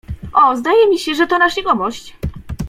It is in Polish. "O, zdaje mi się, że oto nasz jegomość!"